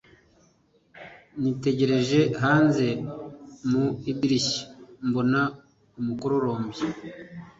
Nitegereje hanze mu idirishya, mbona umukororombya.